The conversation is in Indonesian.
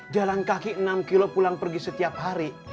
jalan kaki enam kilo pulang pergi setiap hari